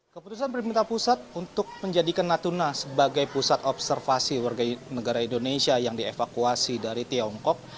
keputusan pemerintah pusat untuk menjadikan natuna sebagai pusat observasi warga negara indonesia yang dievakuasi dari tiongkok